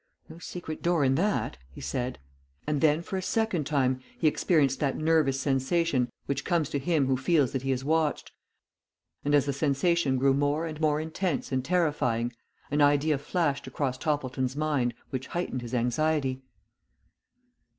"No secret door in that," he said; and then for a second time he experienced that nervous sensation which comes to him who feels that he is watched, and as the sensation grew more and more intense and terrifying, an idea flashed across Toppleton's mind which heightened his anxiety.